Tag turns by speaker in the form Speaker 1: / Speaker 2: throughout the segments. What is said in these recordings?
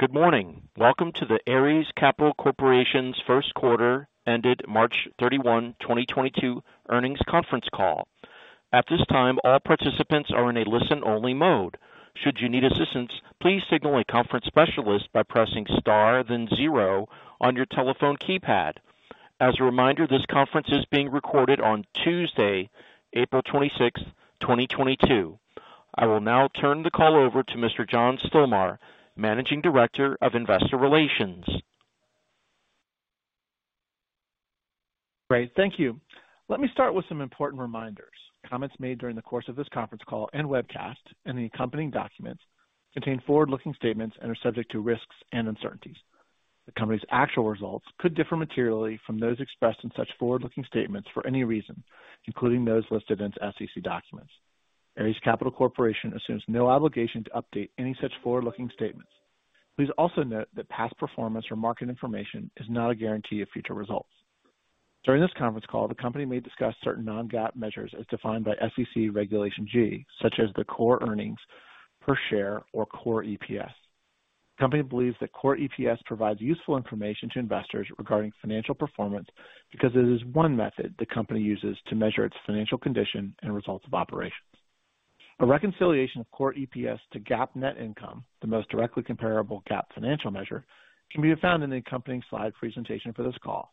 Speaker 1: Good morning. Welcome to the Ares Capital Corporation's first quarter ended March 31, 2022 earnings conference call. At this time, all participants are in a listen-only mode. Should you need assistance, please signal a conference specialist by pressing star, then zero on your telephone keypad. As a reminder, this conference is being recorded on Tuesday, April 26, 2022. I will now turn the call over to Mr. John Stilmar, Managing Director of Investor Relations.
Speaker 2: Great. Thank you. Let me start with some important reminders. Comments made during the course of this conference call and webcast and the accompanying documents contain forward-looking statements and are subject to risks and uncertainties. The company's actual results could differ materially from those expressed in such forward-looking statements for any reason, including those listed in its SEC documents. Ares Capital Corporation assumes no obligation to update any such forward-looking statements. Please also note that past performance or market information is not a guarantee of future results. During this conference call, the company may discuss certain non-GAAP measures as defined by SEC Regulation G, such as the core earnings per share or core EPS. The company believes that core EPS provides useful information to investors regarding financial performance because it is one method the company uses to measure its financial condition and results of operations. A reconciliation of core EPS to GAAP net income, the most directly comparable GAAP financial measure, can be found in the accompanying slide presentation for this call.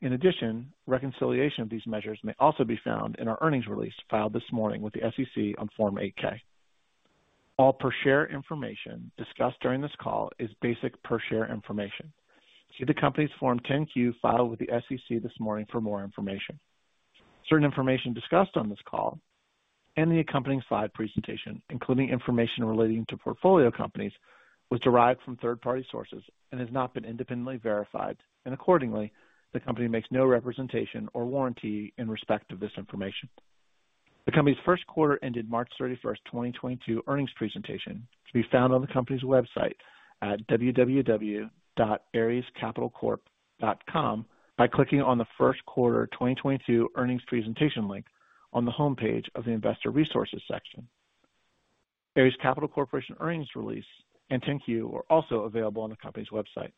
Speaker 2: In addition, reconciliation of these measures may also be found in our earnings release filed this morning with the SEC on Form 8-K. All per share information discussed during this call is basic per share information. See the company's Form 10-Q filed with the SEC this morning for more information. Certain information discussed on this call and the accompanying slide presentation, including information relating to portfolio companies, was derived from third-party sources and has not been independently verified, and accordingly, the company makes no representation or warranty in respect of this information. The company's first quarter ended March 31, 2022 earnings presentation can be found on the company's website at www.arescapitalcorp.com by clicking on the first quarter 2022 earnings presentation link on the homepage of the Investor Resources section. Ares Capital Corporation earnings release and 10-Q are also available on the company's website.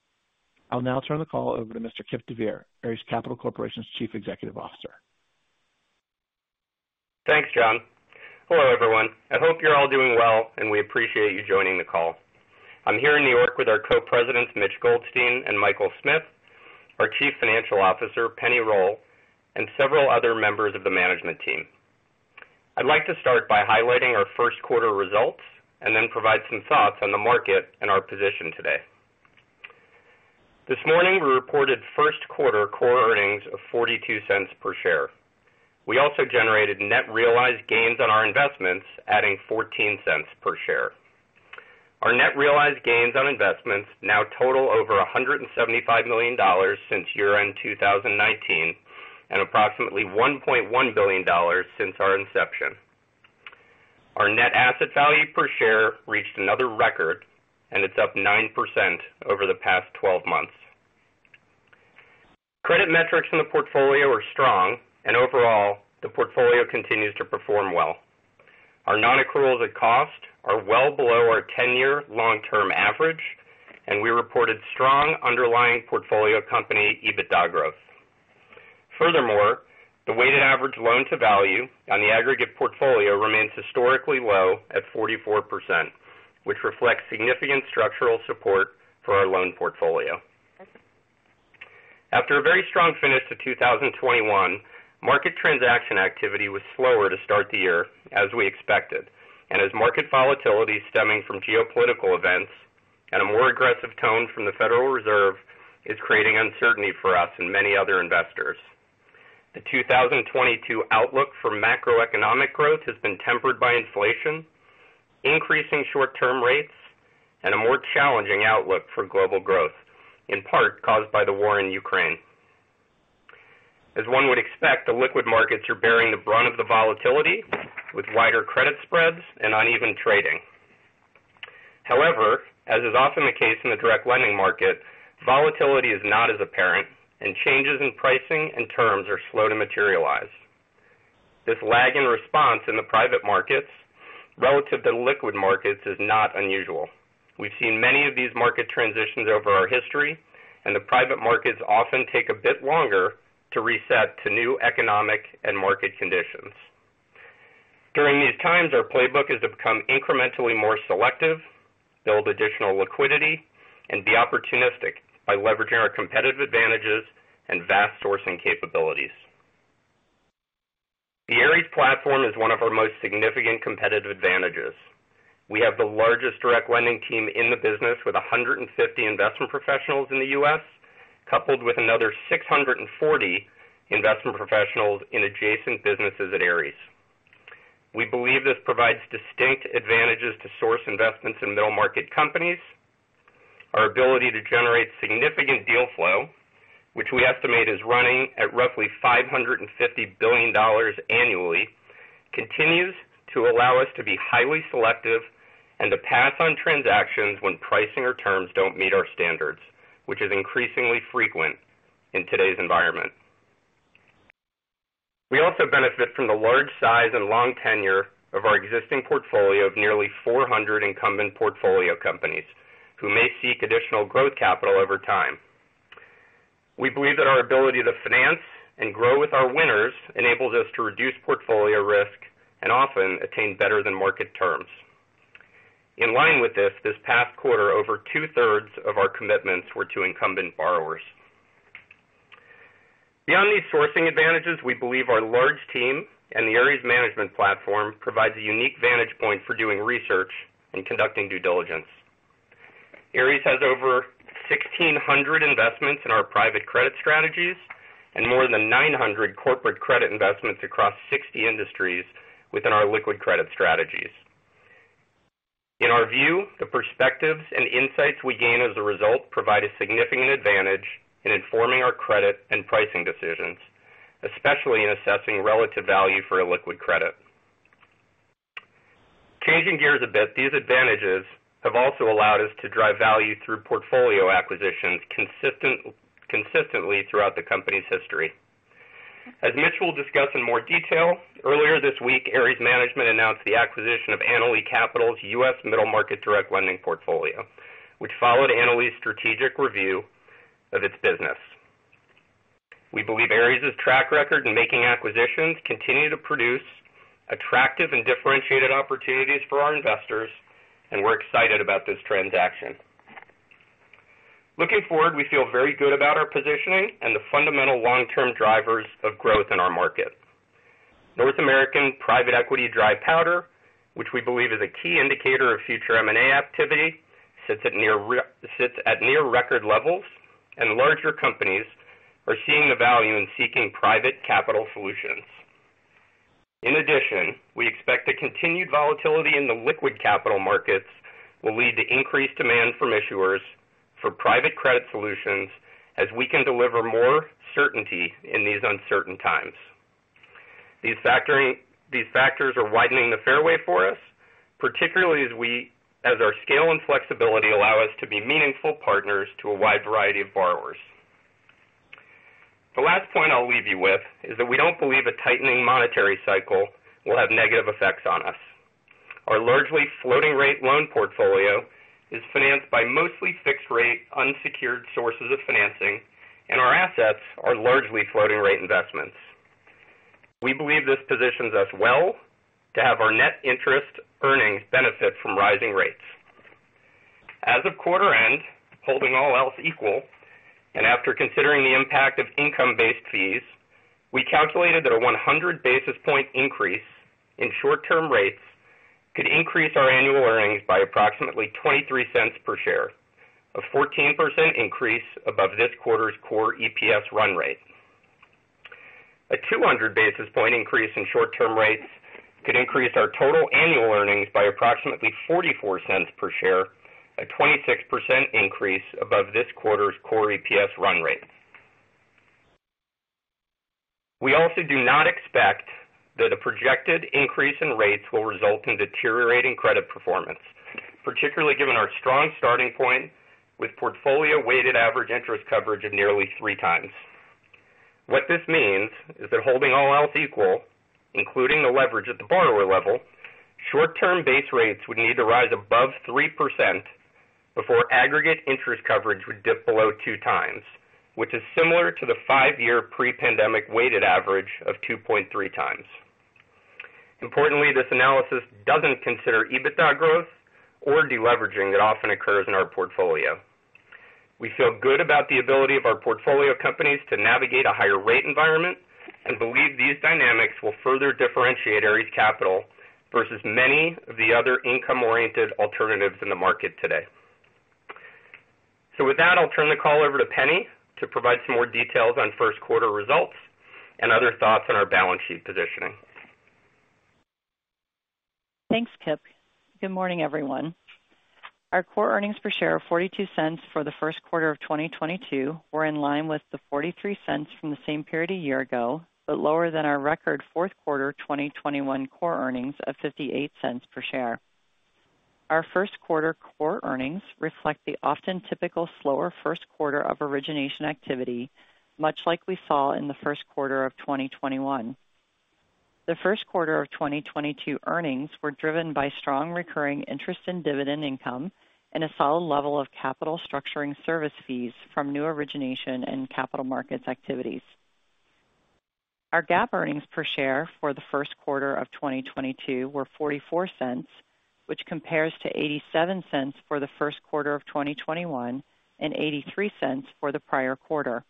Speaker 2: I'll now turn the call over to Mr. Kipp deVeer, Ares Capital Corporation's Chief Executive Officer.
Speaker 3: Thanks, John. Hello, everyone. I hope you're all doing well, and we appreciate you joining the call. I'm here in New York with our Co-Presidents, Mitch Goldstein and Michael Smith, our Chief Financial Officer, Penni Roll, and several other members of the management team. I'd like to start by highlighting our first quarter results and then provide some thoughts on the market and our position today. This morning, we reported first quarter core earnings of $0.42 per share. We also generated net realized gains on our investments, adding $0.14 per share. Our net realized gains on investments now total over $175 million since year-end 2019 and approximately $1.1 billion since our inception. Our net asset value per share reached another record, and it's up 9% over the past 12 months. Credit metrics in the portfolio are strong, and overall, the portfolio continues to perform well. Our non-accruals at cost are well below our 10-year long-term average, and we reported strong underlying portfolio company EBITDA growth. Furthermore, the weighted average loan-to-value on the aggregate portfolio remains historically low at 44%, which reflects significant structural support for our loan portfolio. After a very strong finish to 2021, market transaction activity was slower to start the year, as we expected, and as market volatility stemming from geopolitical events and a more aggressive tone from the Federal Reserve is creating uncertainty for us and many other investors. The 2022 outlook for macroeconomic growth has been tempered by inflation, increasing short-term rates, and a more challenging outlook for global growth, in part caused by the war in Ukraine. As one would expect, the liquid markets are bearing the brunt of the volatility with wider credit spreads and uneven trading. However, as is often the case in the direct lending market, volatility is not as apparent, and changes in pricing and terms are slow to materialize. This lag in response in the private markets relative to liquid markets is not unusual. We've seen many of these market transitions over our history, and the private markets often take a bit longer to reset to new economic and market conditions. During these times, our playbook is to become incrementally more selective, build additional liquidity, and be opportunistic by leveraging our competitive advantages and vast sourcing capabilities. The Ares platform is one of our most significant competitive advantages. We have the largest direct lending team in the business with 150 investment professionals in the U.S., coupled with another 640 investment professionals in adjacent businesses at Ares. We believe this provides distinct advantages to source investments in middle-market companies. Our ability to generate significant deal flow, which we estimate is running at roughly $550 billion annually, continues to allow us to be highly selective and to pass on transactions when pricing or terms don't meet our standards, which is increasingly frequent in today's environment. We also benefit from the large size and long tenure of our existing portfolio of nearly 400 incumbent portfolio companies who may seek additional growth capital over time. We believe that our ability to finance and grow with our winners enables us to reduce portfolio risk and often attain better than market terms. In line with this past quarter, over 2/3 of our commitments were to incumbent borrowers. Beyond these sourcing advantages, we believe our large team and the Ares Management platform provides a unique vantage point for doing research and conducting due diligence. Ares has over 1,600 investments in our private credit strategies and more than 900 corporate credit investments across 60 industries within our liquid credit strategies. In our view, the perspectives and insights we gain as a result provide a significant advantage in informing our credit and pricing decisions, especially in assessing relative value for a liquid credit. Changing gears a bit, these advantages have also allowed us to drive value through portfolio acquisitions consistently throughout the company's history. As Mitch will discuss in more detail, earlier this week, Ares Management announced the acquisition of Annaly Capital Management's U.S. Middle Market direct lending portfolio, which followed Annaly's strategic review of its business. We believe Ares' track record in making acquisitions continue to produce attractive and differentiated opportunities for our investors, and we're excited about this transaction. Looking forward, we feel very good about our positioning and the fundamental long-term drivers of growth in our market. North American private equity dry powder, which we believe is a key indicator of future M&A activity, sits at near record levels, and larger companies are seeing the value in seeking private capital solutions. In addition, we expect the continued volatility in the liquid capital markets will lead to increased demand from issuers for private credit solutions as we can deliver more certainty in these uncertain times. These factors are widening the fairway for us, particularly as our scale and flexibility allow us to be meaningful partners to a wide variety of borrowers. The last point I'll leave you with is that we don't believe a tightening monetary cycle will have negative effects on us. Our largely floating rate loan portfolio is financed by mostly fixed rate unsecured sources of financing, and our assets are largely floating rate investments. We believe this positions us well to have our net interest earnings benefit from rising rates. As of quarter end, holding all else equal, and after considering the impact of income-based fees, we calculated that a 100 basis point increase in short-term rates could increase our annual earnings by approximately $0.23 per share, a 14% increase above this quarter's core EPS run rate. A 200 basis point increase in short-term rates could increase our total annual earnings by approximately $0.44 per share, a 26% increase above this quarter's core EPS run rate. We also do not expect that a projected increase in rates will result in deteriorating credit performance, particularly given our strong starting point with portfolio weighted average interest coverage of nearly 3x. What this means is that holding all else equal, including the leverage at the borrower level, short-term base rates would need to rise above 3% before aggregate interest coverage would dip below 2x, which is similar to the five-year pre-pandemic weighted average of 2.3x. Importantly, this analysis doesn't consider EBITDA growth or deleveraging that often occurs in our portfolio. We feel good about the ability of our portfolio companies to navigate a higher rate environment and believe these dynamics will further differentiate Ares Capital versus many of the other income-oriented alternatives in the market today. With that, I'll turn the call over to Penni to provide some more details on first quarter results and other thoughts on our balance sheet positioning.
Speaker 4: Thanks, Kipp. Good morning, everyone. Our core earnings per share of $0.42 for the first quarter of 2022 were in line with the $0.43 from the same period a year ago, but lower than our record fourth quarter 2021 core earnings of $0.58 per share. Our first quarter core earnings reflect the often typical slower first quarter of origination activity, much like we saw in the first quarter of 2021. The first quarter of 2022 earnings were driven by strong recurring interest and dividend income and a solid level of capital structuring service fees from new origination and capital markets activities. Our GAAP earnings per share for the first quarter of 2022 were $0.44, which compares to $0.87 for the first quarter of 2021 and $0.83 for the prior quarter.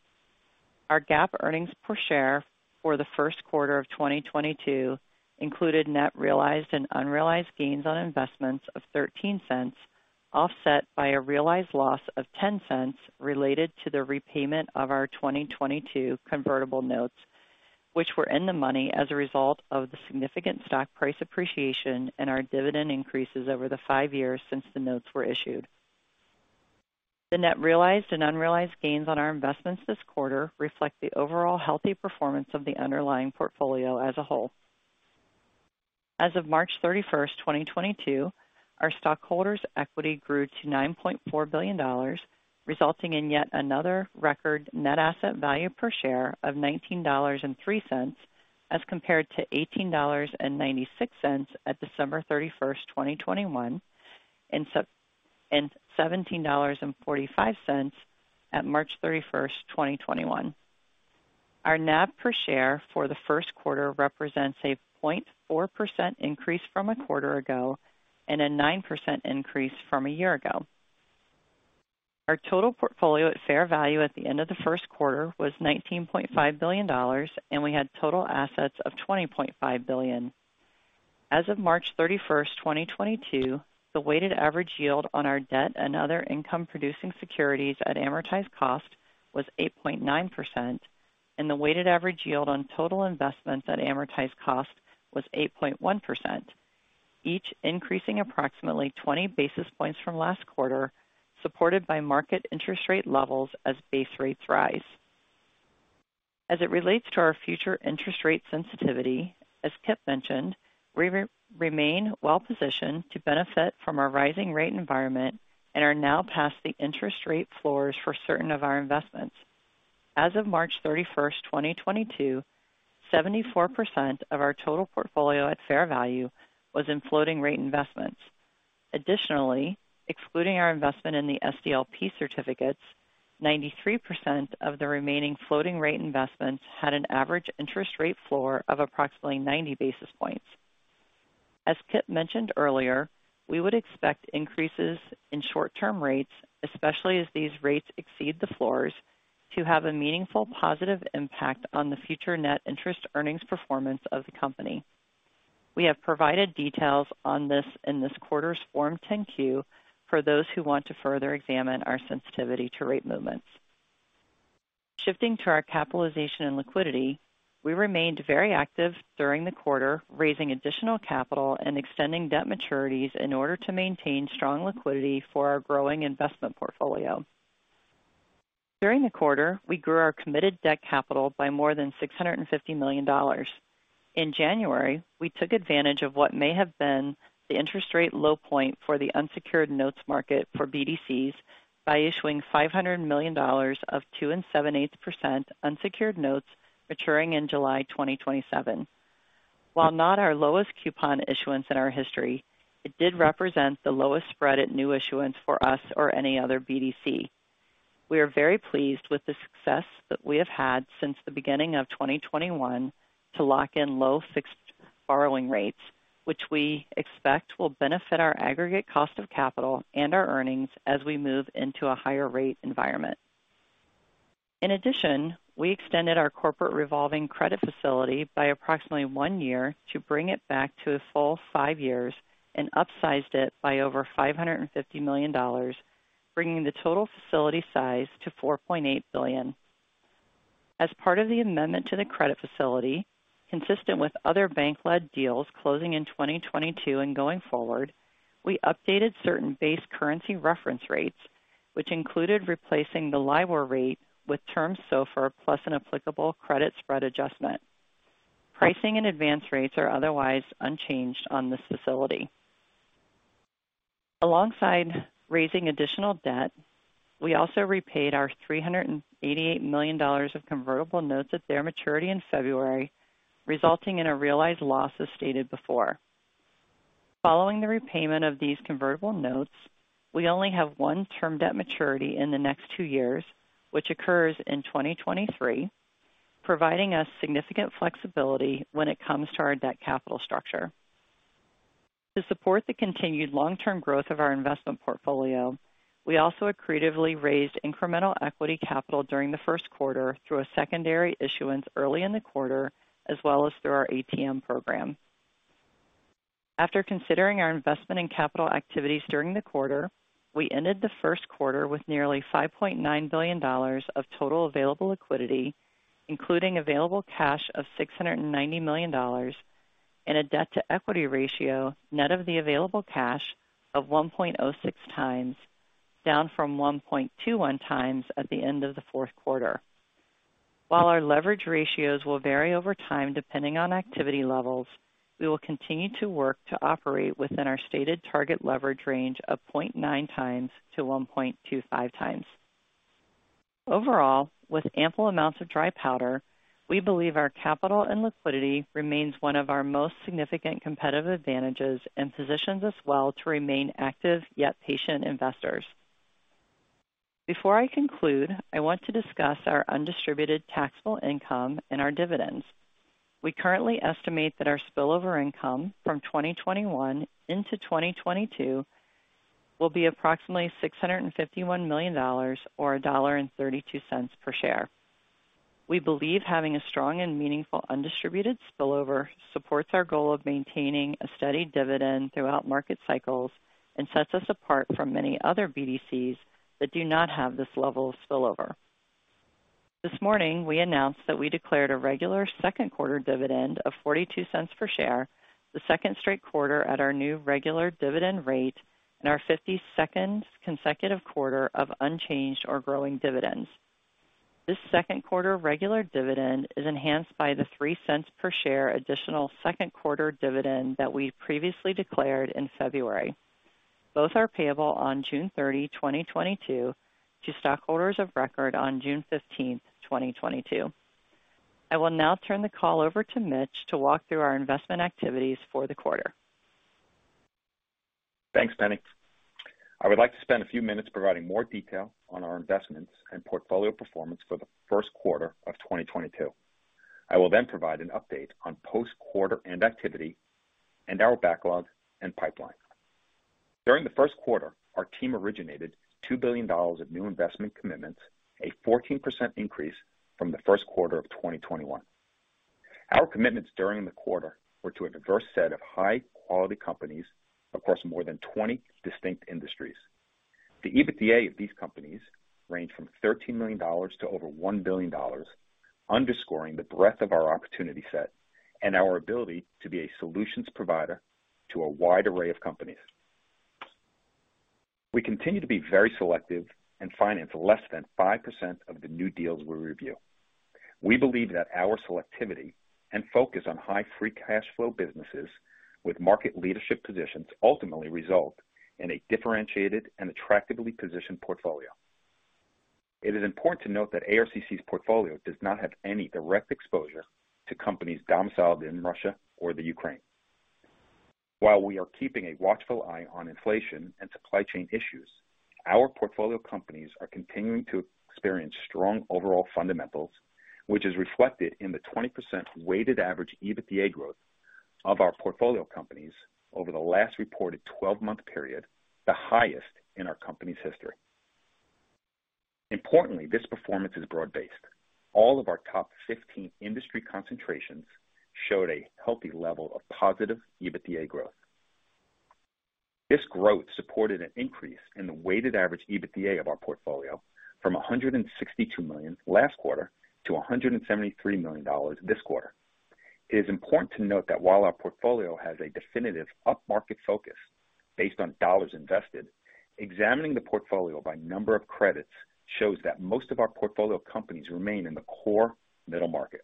Speaker 4: Our GAAP earnings per share for the first quarter of 2022 included net realized and unrealized gains on investments of $0.13, offset by a realized loss of $0.10 related to the repayment of our 2022 convertible notes, which were in the money as a result of the significant stock price appreciation and our dividend increases over the five years since the notes were issued. The net realized and unrealized gains on our investments this quarter reflect the overall healthy performance of the underlying portfolio as a whole. As of March 31st, 2022, our stockholders' equity grew to $9.4 billion, resulting in yet another record net asset value per share of $19.03 as compared to $18.96 at December 31st, 2021, and $17.45 at March 31st, 2021. Our NAV per share for the first quarter represents a 0.4% increase from a quarter ago and a 9% increase from a year ago. Our total portfolio at fair value at the end of the first quarter was $19.5 billion, and we had total assets of $20.5 billion. As of March 31, 2022, the weighted average yield on our debt and other income-producing securities at amortized cost was 8.9%, and the weighted average yield on total investments at amortized cost was 8.1%, each increasing approximately 20 basis points from last quarter, supported by market interest rate levels as base rates rise. As it relates to our future interest rate sensitivity, as Kipp mentioned, we remain well positioned to benefit from our rising rate environment and are now past the interest rate floors for certain of our investments. As of March 31st, 2022, 74% of our total portfolio at fair value was in floating rate investments. Additionally, excluding our investment in the SDLP certificates, 93% of the remaining floating rate investments had an average interest rate floor of approximately 90 basis points. As Kipp mentioned earlier, we would expect increases in short-term rates, especially as these rates exceed the floors, to have a meaningful positive impact on the future net interest earnings performance of the company. We have provided details on this in this quarter's Form 10-Q for those who want to further examine our sensitivity to rate movements. Shifting to our capitalization and liquidity, we remained very active during the quarter, raising additional capital and extending debt maturities in order to maintain strong liquidity for our growing investment portfolio. During the quarter, we grew our committed debt capital by more than $650 million. In January, we took advantage of what may have been the interest rate low point for the unsecured notes market for BDCs by issuing $500 million of 2 7/8% unsecured notes maturing in July 2027. While not our lowest coupon issuance in our history, it did represent the lowest spread at new issuance for us or any other BDC. We are very pleased with the success that we have had since the beginning of 2021 to lock in low fixed borrowing rates, which we expect will benefit our aggregate cost of capital and our earnings as we move into a higher rate environment. In addition, we extended our corporate revolving credit facility by approximately one year to bring it back to a full five years and upsized it by over $550 million, bringing the total facility size to $4.8 billion. As part of the amendment to the credit facility, consistent with other bank-led deals closing in 2022 and going forward, we updated certain base currency reference rates, which included replacing the LIBOR rate with term SOFR plus an applicable credit spread adjustment. Pricing and advance rates are otherwise unchanged on this facility. Alongside raising additional debt, we also repaid our $388 million of convertible notes at their maturity in February, resulting in a realized loss as stated before. Following the repayment of these convertible notes, we only have one term debt maturity in the next two years, which occurs in 2023, providing us significant flexibility when it comes to our debt capital structure. To support the continued long-term growth of our investment portfolio, we also accretively raised incremental equity capital during the first quarter through a secondary issuance early in the quarter, as well as through our ATM program. After considering our investment in capital activities during the quarter, we ended the first quarter with nearly $5.9 billion of total available liquidity, including available cash of $690 million and a debt-to-equity ratio net of the available cash of 1.06x, down from 1.21x at the end of the fourth quarter. While our leverage ratios will vary over time depending on activity levels, we will continue to work to operate within our stated target leverage range of 0.9x-1.25x. Overall, with ample amounts of dry powder, we believe our capital and liquidity remains one of our most significant competitive advantages and positions us well to remain active yet patient investors. Before I conclude, I want to discuss our undistributed taxable income and our dividends. We currently estimate that our spillover income from 2021 into 2022 will be approximately $651 million or $1.32 per share. We believe having a strong and meaningful undistributed spillover supports our goal of maintaining a steady dividend throughout market cycles and sets us apart from many other BDCs that do not have this level of spillover. This morning, we announced that we declared a regular second quarter dividend of $0.42 per share, the second straight quarter at our new regular dividend rate and our 52nd consecutive quarter of unchanged or growing dividends. This second quarter regular dividend is enhanced by the $0.03 per share additional second quarter dividend that we previously declared in February. Both are payable on June 30, 2022 to stockholders of record on June 15, 2022. I will now turn the call over to Mitch to walk through our investment activities for the quarter.
Speaker 5: Thanks, Penni. I would like to spend a few minutes providing more detail on our investments and portfolio performance for the first quarter of 2022. I will then provide an update on post-quarter-end activity and our backlog and pipeline. During the first quarter, our team originated $2 billion of new investment commitments, a 14% increase from the first quarter of 2021. Our commitments during the quarter were to a diverse set of high-quality companies across more than 20 distinct industries. The EBITDA of these companies range from $13 million to over $1 billion, underscoring the breadth of our opportunity set and our ability to be a solutions provider to a wide array of companies. We continue to be very selective and finance less than 5% of the new deals we review. We believe that our selectivity and focus on high free cash flow businesses with market leadership positions ultimately result in a differentiated and attractively positioned portfolio. It is important to note that ARCC's portfolio does not have any direct exposure to companies domiciled in Russia or the Ukraine. While we are keeping a watchful eye on inflation and supply chain issues, our portfolio companies are continuing to experience strong overall fundamentals, which is reflected in the 20% weighted average EBITDA growth of our portfolio companies over the last reported 12-month period, the highest in our company's history. Importantly, this performance is broad-based. All of our top 15 industry concentrations showed a healthy level of positive EBITDA growth. This growth supported an increase in the weighted average EBITDA of our portfolio from $162 million last quarter to $173 million this quarter. It is important to note that while our portfolio has a definitive upmarket focus based on dollars invested, examining the portfolio by number of credits shows that most of our portfolio companies remain in the core middle market.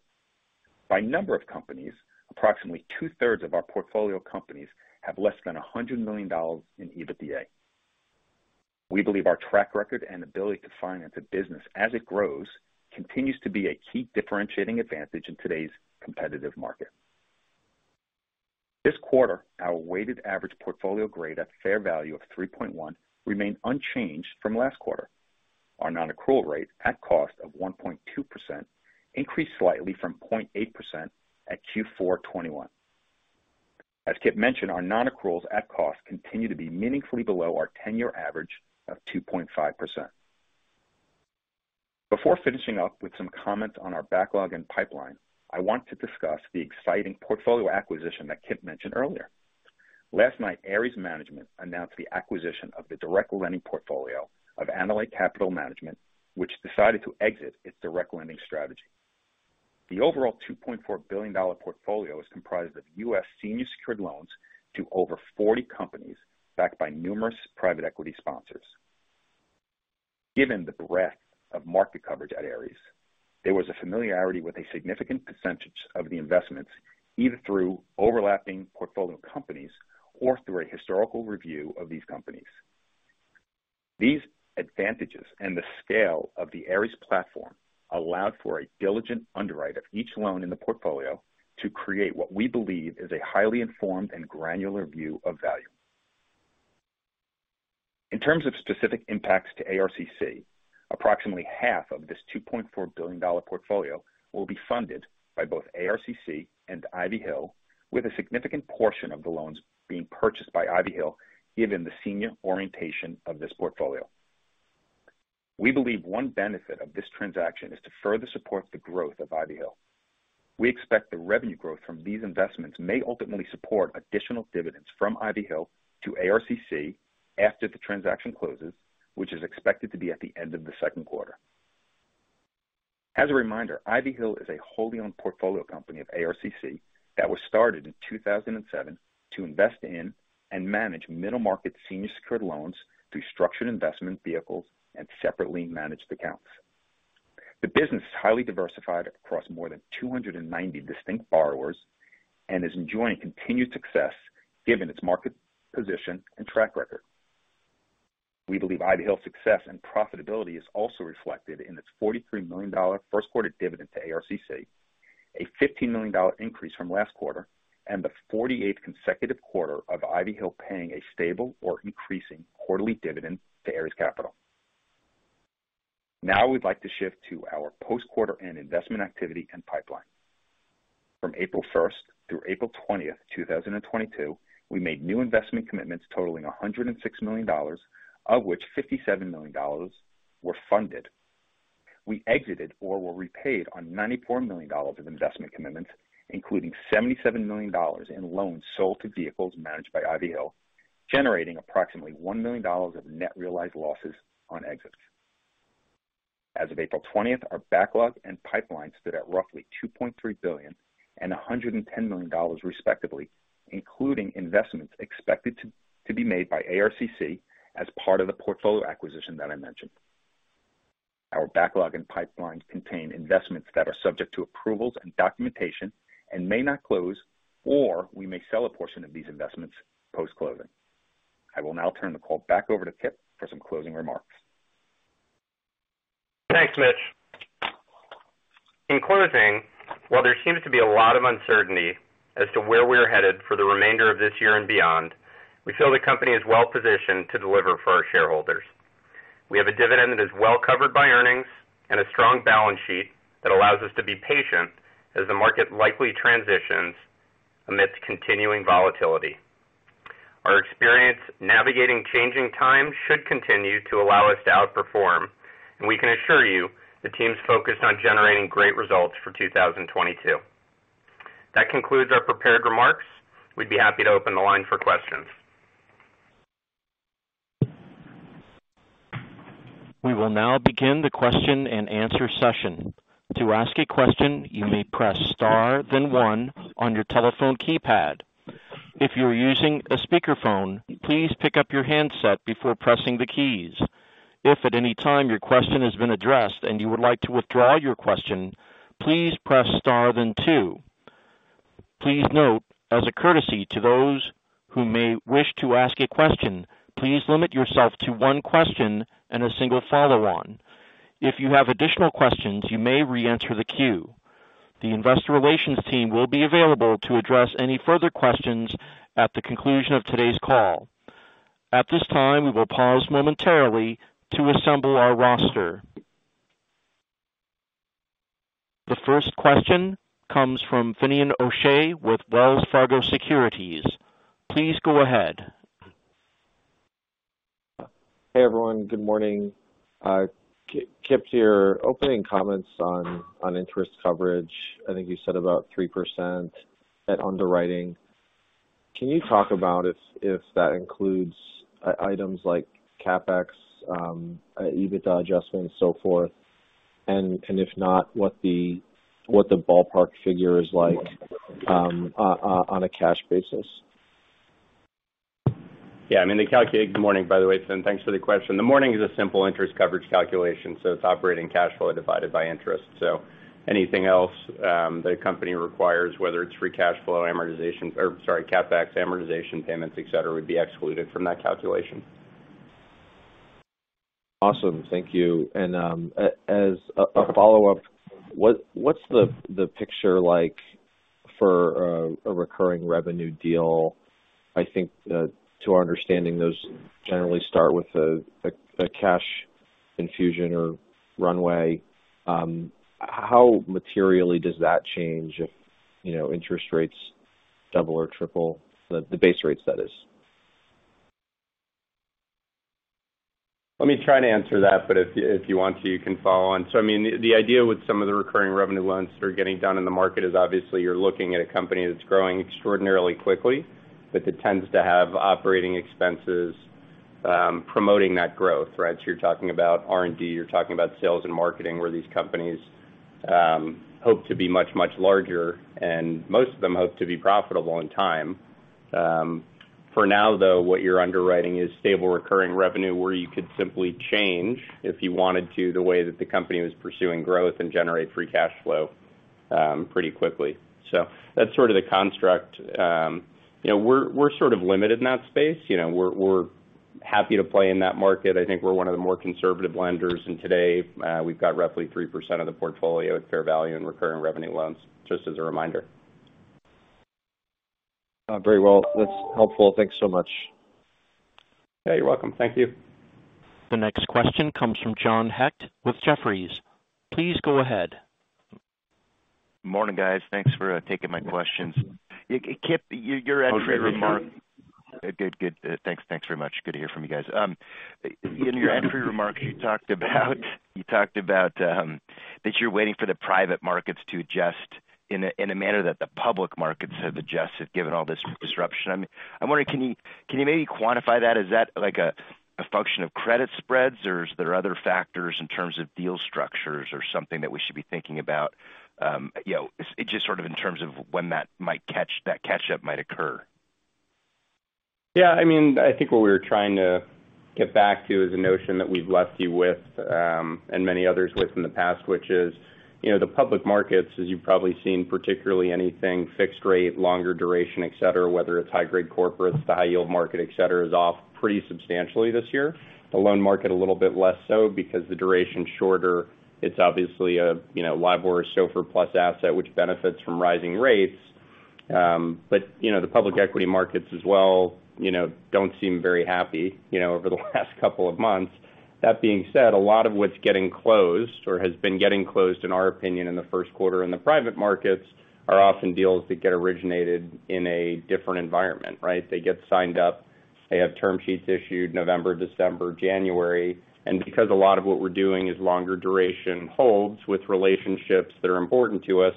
Speaker 5: By number of companies, approximately 2/3 of our portfolio companies have less than $100 million in EBITDA. We believe our track record and ability to finance a business as it grows continues to be a key differentiating advantage in today's competitive market. This quarter, our weighted average portfolio grade at fair value of 3.1 remained unchanged from last quarter. Our non-accrual rate at cost of 1.2% increased slightly from 0.8% at Q4 2021. As Kipp mentioned, our non-accruals at cost continue to be meaningfully below our 10-year average of 2.5%. Before finishing up with some comments on our backlog and pipeline, I want to discuss the exciting portfolio acquisition that Kipp mentioned earlier. Last night, Ares Management announced the acquisition of the direct lending portfolio of Annaly Capital Management, which decided to exit its direct lending strategy. The overall $2.4 billion portfolio is comprised of U.S. senior secured loans to over 40 companies, backed by numerous private equity sponsors. Given the breadth of market coverage at Ares, there was a familiarity with a significant percentage of the investments, either through overlapping portfolio companies or through a historical review of these companies. These advantages and the scale of the Ares platform allowed for a diligent underwrite of each loan in the portfolio to create what we believe is a highly informed and granular view of value. In terms of specific impacts to ARCC, approximately half of this $2.4 billion portfolio will be funded by both ARCC and Ivy Hill, with a significant portion of the loans being purchased by Ivy Hill, given the senior orientation of this portfolio. We believe one benefit of this transaction is to further support the growth of Ivy Hill. We expect the revenue growth from these investments may ultimately support additional dividends from Ivy Hill to ARCC after the transaction closes, which is expected to be at the end of the second quarter. As a reminder, Ivy Hill is a wholly owned portfolio company of ARCC that was started in 2007 to invest in and manage middle-market senior secured loans through structured investment vehicles and separately managed accounts. The business is highly diversified across more than 290 distinct borrowers and is enjoying continued success given its market position and track record. We believe Ivy Hill's success and profitability is also reflected in its $43 million first quarter dividend to ARCC, a $15 million increase from last quarter, and the 48th consecutive quarter of Ivy Hill paying a stable or increasing quarterly dividend to Ares Capital. Now we'd like to shift to our post quarter and investment activity and pipeline. From April 1st through April 20th, 2022, we made new investment commitments totaling $106 million, of which $57 million were funded. We exited or were repaid on $94 million of investment commitments, including $77 million in loans sold to vehicles managed by Ivy Hill, generating approximately $1 million of net realized losses on exits. As of April 20, our backlog and pipeline stood at roughly $2.3 billion and $110 million, respectively, including investments expected to be made by ARCC as part of the portfolio acquisition that I mentioned. Our backlog and pipelines contain investments that are subject to approvals and documentation and may not close, or we may sell a portion of these investments post-closing. I will now turn the call back over to Kipp for some closing remarks.
Speaker 3: Thanks, Mitch. In closing, while there seems to be a lot of uncertainty as to where we are headed for the remainder of this year and beyond, we feel the company is well-positioned to deliver for our shareholders. We have a dividend that is well-covered by earnings and a strong balance sheet that allows us to be patient as the market likely transitions amidst continuing volatility. Our experience navigating changing times should continue to allow us to outperform, and we can assure you the team is focused on generating great results for 2022. That concludes our prepared remarks. We'd be happy to open the line for questions.
Speaker 1: We will now begin the question-and-answer session. To ask a question, you may press star, then one on your telephone keypad. If you're using a speakerphone, please pick up your handset before pressing the keys. If at any time your question has been addressed and you would like to withdraw your question, please press star, then two. Please note as a courtesy to those who may wish to ask a question, please limit yourself to one question and a single follow-on. If you have additional questions, you may reenter the queue. The investor relations team will be available to address any further questions at the conclusion of today's call. At this time, we will pause momentarily to assemble our roster. The first question comes from Finian O'Shea with Wells Fargo Securities. Please go ahead.
Speaker 6: Hey, everyone. Good morning. Kipp, your opening comments on interest coverage, I think you said about 3% at underwriting. Can you talk about if that includes items like CapEx, EBITDA adjustments, so forth? If not, what the ballpark figure is like on a cash basis.
Speaker 3: Yeah, I mean, Good morning, by the way, Finn, thanks for the question. The metric is a simple interest coverage calculation, so it's operating cash flow divided by interest. Anything else, the company requires, whether it's free cash flow, amortization, or sorry, CapEx, amortization payments, et cetera, would be excluded from that calculation.
Speaker 6: Awesome. Thank you. As a follow-up, what's the picture like for a recurring revenue deal? I think, to our understanding, those generally start with a cash infusion or runway. How materially does that change if, you know, interest rates double or triple the base rates, that is?
Speaker 3: Let me try to answer that. If you want to, you can follow on. I mean, the idea with some of the recurring revenue loans that are getting done in the market is obviously you're looking at a company that's growing extraordinarily quickly, but that tends to have operating expenses promoting that growth, right? You're talking about R&D, you're talking about sales and marketing, where these companies hope to be much, much larger, and most of them hope to be profitable in time. For now, though, what you're underwriting is stable, recurring revenue, where you could simply change, if you wanted to, the way that the company was pursuing growth and generate free cash flow pretty quickly. That's sort of the construct. You know, we're sort of limited in that space. You know, we're happy to play in that market. I think we're one of the more conservative lenders. Today, we've got roughly 3% of the portfolio at fair value in recurring revenue loans, just as a reminder.
Speaker 6: Very well. That's helpful. Thanks so much.
Speaker 3: Yeah, you're welcome. Thank you.
Speaker 1: The next question comes from John Hecht with Jefferies. Please go ahead.
Speaker 7: Morning, guys. Thanks for taking my questions. Kipp, your entry remark. Good. Thanks very much. Good to hear from you guys. In your entry remarks, you talked about that you're waiting for the private markets to adjust in a manner that the public markets have adjusted, given all this disruption. I'm wondering, can you maybe quantify that? Is that like a function of credit spreads, or is there other factors in terms of deal structures or something that we should be thinking about? You know, it's just sort of in terms of when that catch up might occur.
Speaker 3: Yeah, I mean, I think what we were trying to get back to is a notion that we've left you with, and many others with in the past, which is, you know, the public markets, as you've probably seen, particularly anything fixed rate, longer duration, et cetera, whether it's high-grade corporates, the high yield market, et cetera, is off pretty substantially this year. The loan market a little bit less so because the duration's shorter. It's obviously a, you know, LIBOR SOFR plus asset which benefits from rising rates. You know, the public equity markets as well, you know, don't seem very happy, you know, over the last couple of months. That being said, a lot of what's getting closed or has been getting closed, in our opinion, in the first quarter in the private markets are often deals that get originated in a different environment, right? They get signed up. They have term sheets issued November, December, January. Because a lot of what we're doing is longer duration holds with relationships that are important to us,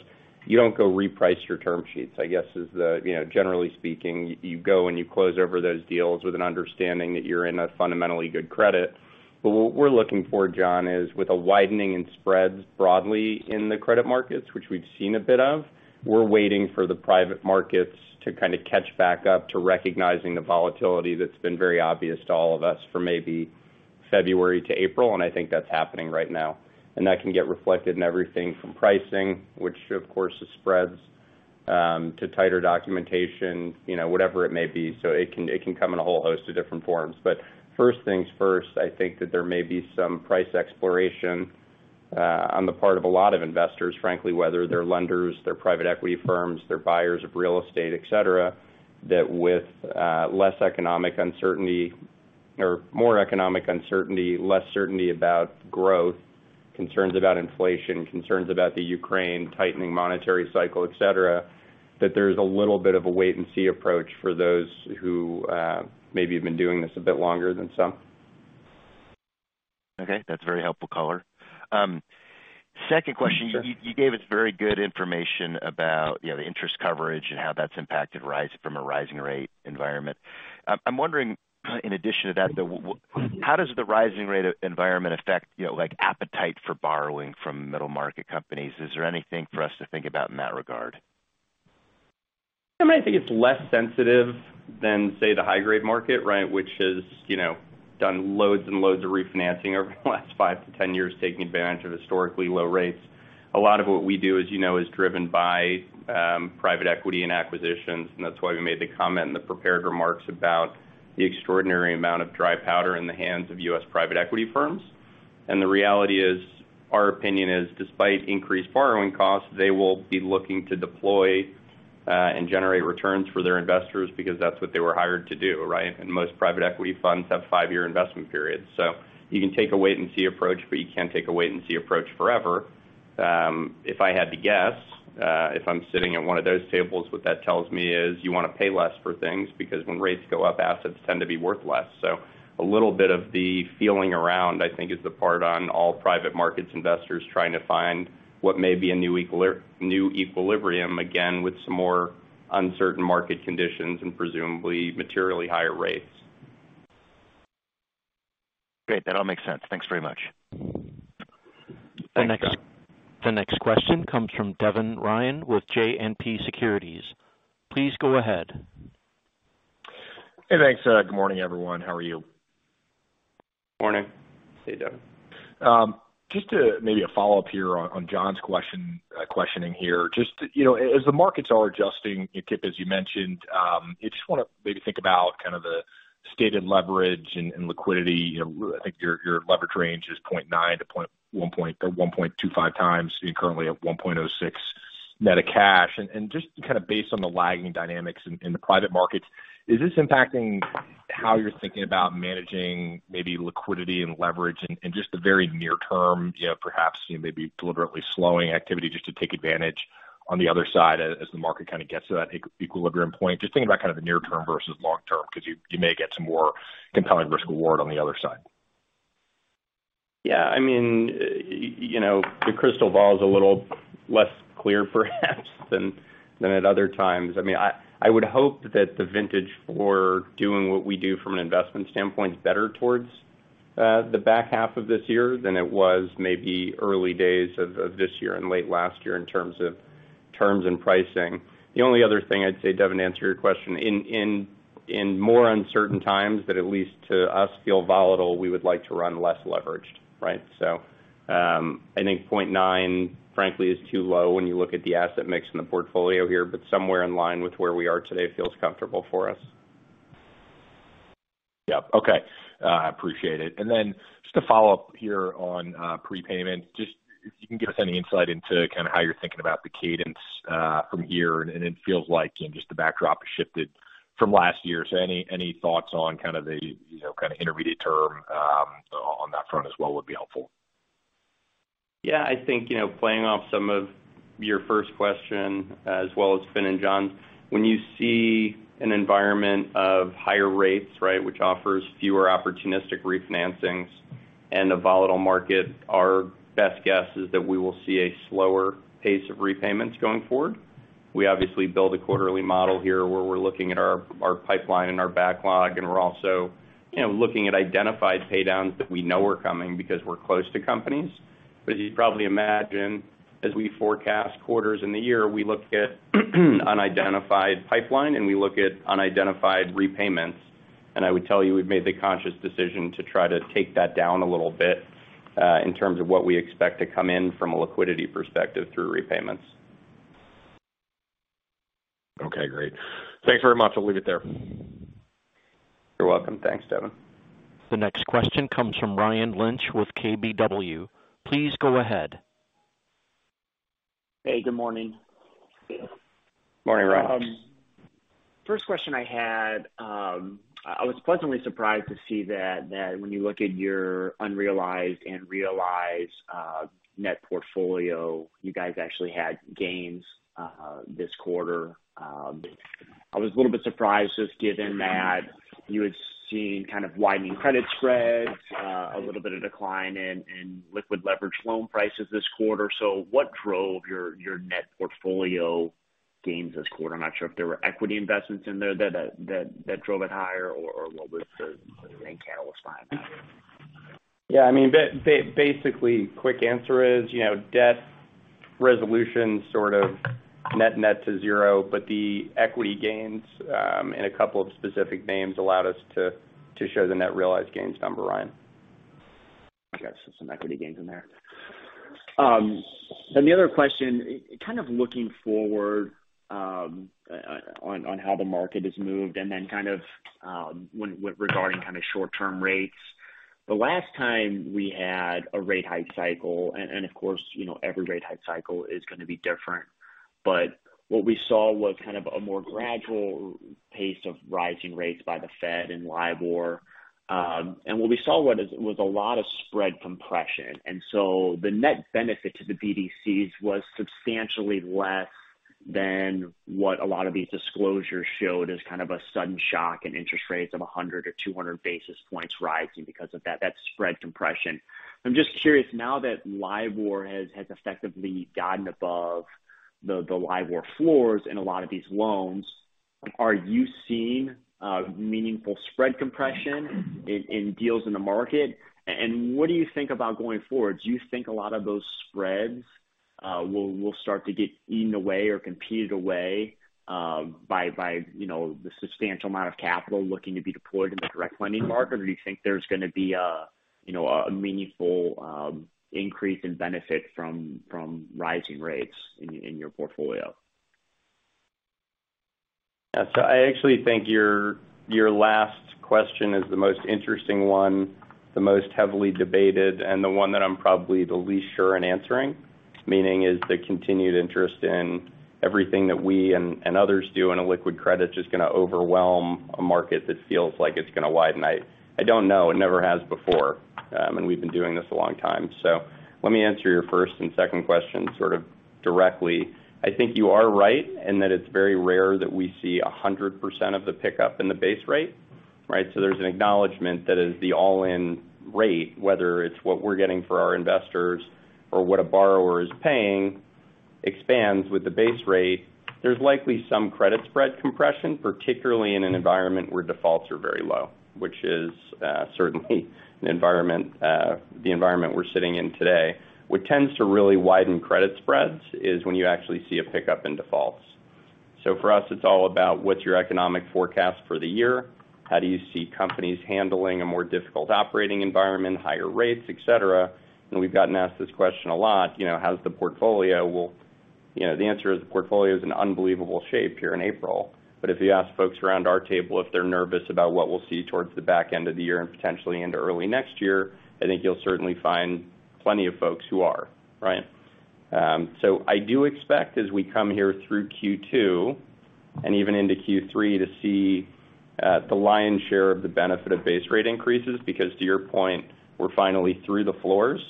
Speaker 3: you don't go reprice your term sheets. You know, generally speaking, you go and you close over those deals with an understanding that you're in a fundamentally good credit. But what we're looking for, John, is with a widening in spreads broadly in the credit markets, which we've seen a bit of, we're waiting for the private markets to kind of catch back up to recognizing the volatility that's been very obvious to all of us for maybe February to April. I think that's happening right now. That can get reflected in everything from pricing, which of course is spreads, to tighter documentation, you know, whatever it may be. It can come in a whole host of different forms. First things first, I think that there may be some price exploration on the part of a lot of investors, frankly, whether they're lenders, they're private equity firms, they're buyers of real estate, et cetera, that with less economic uncertainty or more economic uncertainty, less certainty about growth, concerns about inflation, concerns about the Ukraine tightening monetary cycle, et cetera, that there's a little bit of a wait and see approach for those who maybe have been doing this a bit longer than some.
Speaker 7: Okay, that's very helpful color. Second question. You gave us very good information about, you know, the interest coverage and how that's impacted by the rise in a rising rate environment. I'm wondering, in addition to that, how does the rising rate environment affect, you know, like, appetite for borrowing from middle market companies? Is there anything for us to think about in that regard?
Speaker 3: I think it's less sensitive than, say, the high grade market, right? Which has, you know, done loads and loads of refinancing over the last five to 10 years, taking advantage of historically low rates. A lot of what we do, as you know, is driven by private equity and acquisitions, and that's why we made the comment in the prepared remarks about the extraordinary amount of dry powder in the hands of U.S. private equity firms. The reality is, our opinion is despite increased borrowing costs, they will be looking to deploy and generate returns for their investors because that's what they were hired to do, right? Most private equity funds have five-year investment periods. You can take a wait and see approach, but you can't take a wait and see approach forever. If I had to guess, if I'm sitting at one of those tables, what that tells me is you wanna pay less for things because when rates go up, assets tend to be worth less. A little bit of the feeling around, I think, is the part on all private markets investors trying to find what may be a new equilibrium, again, with some more uncertain market conditions and presumably materially higher rates.
Speaker 7: Great. That all makes sense. Thanks very much.
Speaker 3: Thanks.
Speaker 1: The next question comes from Devin Ryan with JMP Securities. Please go ahead.
Speaker 8: Hey, thanks. Good morning, everyone. How are you?
Speaker 3: Morning. Hey, Devin.
Speaker 8: Just to maybe a follow-up here on John's question, questioning here, just, you know, as the markets are adjusting, Kipp, as you mentioned, I just wanna maybe think about kind of the stated leverage and liquidity. You know, I think your leverage range is 0.9x-1.25x. You're currently at 1.06x net of cash. Just kind of based on the lagging dynamics in the private markets, is this impacting how you're thinking about managing maybe liquidity and leverage and just the very near term, you know, perhaps, you know, maybe deliberately slowing activity just to take advantage on the other side as the market kind of gets to that equilibrium point? Just thinking about kind of the near term versus long term, 'cause you may get some more compelling risk reward on the other side.
Speaker 3: Yeah, I mean, you know, the crystal ball is a little less clear perhaps than at other times. I mean, I would hope that the vintage for doing what we do from an investment standpoint is better towards the back half of this year than it was maybe early days of this year and late last year in terms of terms and pricing. The only other thing I'd say, Devin, to answer your question, in more uncertain times that at least to us feel volatile, we would like to run less leveraged, right? I think 0.9x frankly is too low when you look at the asset mix in the portfolio here, but somewhere in line with where we are today feels comfortable for us.
Speaker 8: Yeah. Okay. I appreciate it. Just to follow up here on prepayment, just if you can give us any insight into kind of how you're thinking about the cadence from here, and it feels like, you know, just the backdrop shifted from last year. Any thoughts on kind of the, you know, kind of intermediate term on that front as well would be helpful.
Speaker 3: Yeah. I think, you know, playing off some of your first question as well as Finn and John's, when you see an environment of higher rates, right, which offers fewer opportunistic refinancings and a volatile market, our best guess is that we will see a slower pace of repayments going forward. We obviously build a quarterly model here where we're looking at our pipeline and our backlog, and we're also, you know, looking at identified pay downs that we know are coming because we're close to companies. As you probably imagine, as we forecast quarters in the year, we look at unidentified pipeline and we look at unidentified repayments. I would tell you, we've made the conscious decision to try to take that down a little bit in terms of what we expect to come in from a liquidity perspective through repayments.
Speaker 8: Okay. Great. Thanks very much. I'll leave it there.
Speaker 3: You're welcome. Thanks, Devin.
Speaker 1: The next question comes from Ryan Lynch with KBW. Please go ahead.
Speaker 9: Hey, good morning.
Speaker 3: Morning, Ryan.
Speaker 9: First question I had, I was pleasantly surprised to see that when you look at your unrealized and realized net portfolio, you guys actually had gains this quarter. I was a little bit surprised just given that you had seen kind of widening credit spreads, a little bit of decline in liquid leverage loan prices this quarter. What drove your net portfolio gains this quarter? I'm not sure if there were equity investments in there that drove it higher or what was the main catalyst behind it?
Speaker 3: Yeah, I mean, basically, quick answer is, you know, debt resolution sort of net net to zero, but the equity gains in a couple of specific names allowed us to show the net realized gains number, Ryan.
Speaker 9: I guess some equity gains in there. Then the other question, kind of looking forward, on how the market has moved and then kind of with regarding kind of short-term rates. The last time we had a rate hike cycle, and of course, you know, every rate hike cycle is gonna be different. What we saw was kind of a more gradual pace of rising rates by the Fed and LIBOR. What we saw was a lot of spread compression. The net benefit to the BDCs was substantially less than what a lot of these disclosures showed as kind of a sudden shock in interest rates of 100 or 200 basis points rising because of that spread compression. I'm just curious now that LIBOR has effectively gotten above the LIBOR floors in a lot of these loans, are you seeing meaningful spread compression in deals in the market? What do you think about going forward? Do you think a lot of those spreads will start to get eaten away or competed away by you know the substantial amount of capital looking to be deployed in the direct lending market? Or do you think there's gonna be a you know a meaningful increase in benefit from rising rates in your portfolio?
Speaker 3: Yeah. I actually think your last question is the most interesting one, the most heavily debated, and the one that I'm probably the least sure in answering. Meaning is the continued interest in everything that we and others do in a liquid credit just gonna overwhelm a market that feels like it's gonna widen. I don't know. It never has before. And we've been doing this a long time. Let me answer your first and second question sort of directly. I think you are right in that it's very rare that we see 100% of the pickup in the base rate, right? There's an acknowledgement that is the all-in rate, whether it's what we're getting for our investors or what a borrower is paying expands with the base rate. There's likely some credit spread compression, particularly in an environment where defaults are very low, which is certainly the environment we're sitting in today. What tends to really widen credit spreads is when you actually see a pickup in defaults. For us, it's all about what's your economic forecast for the year? How do you see companies handling a more difficult operating environment, higher rates, et cetera? We've gotten asked this question a lot, you know, how's the portfolio? Well, you know, the answer is the portfolio is in unbelievable shape here in April. If you ask folks around our table if they're nervous about what we'll see towards the back end of the year and potentially into early next year, I think you'll certainly find plenty of folks who are, right? I do expect as we come here through Q2 and even into Q3 to see the lion's share of the benefit of base rate increases, because to your point, we're finally through the floors,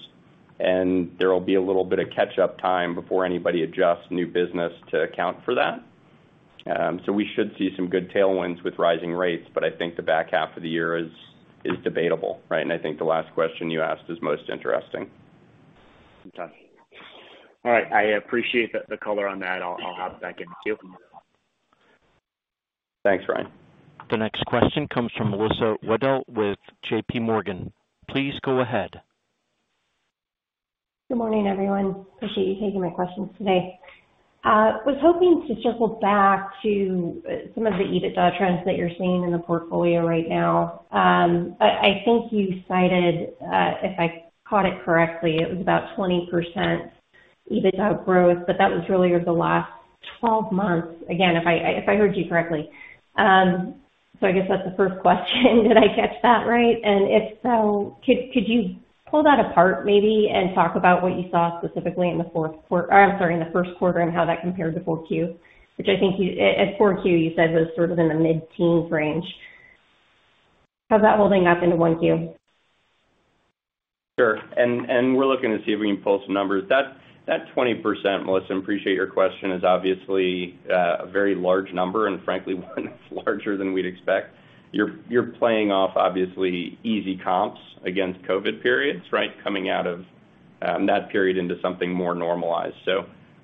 Speaker 3: and there will be a little bit of catch-up time before anybody adjusts new business to account for that. We should see some good tailwinds with rising rates, but I think the back half of the year is debatable, right? I think the last question you asked is most interesting.
Speaker 9: Gotcha. All right. I appreciate the color on that. I'll hop back in queue.
Speaker 3: Thanks, Ryan.
Speaker 1: The next question comes from Melissa Wedel with JPMorgan. Please go ahead.
Speaker 10: Good morning, everyone. Appreciate you taking my questions today. Was hoping to circle back to some of the EBITDA trends that you're seeing in the portfolio right now. I think you cited, if I caught it correctly, it was about 20% EBITDA growth, but that was really over the last 12 months. Again, if I heard you correctly. So I guess that's the first question. Did I catch that right? And if so, could you pull that apart maybe and talk about what you saw specifically in the fourth quarter, or I'm sorry, in the first quarter, and how that compared to 4Q? Which I think, at 4Q, you said was sort of in the mid-teens range. How's that holding up into 1Q?
Speaker 3: Sure. We're looking to see if we can pull some numbers. That 20%, Melissa, appreciate your question, is obviously a very large number and frankly, one that's larger than we'd expect. You're playing off obviously easy comps against COVID periods, right? Coming out of that period into something more normalized.